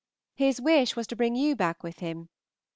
His wish was to bring you back with him.